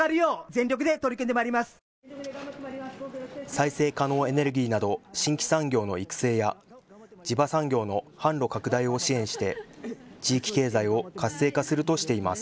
再生可能エネルギーなど新規産業の育成や地場産業の販路拡大を支援して地域経済を活性化するとしています。